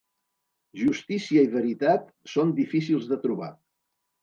Justícia i veritat són difícils de trobar.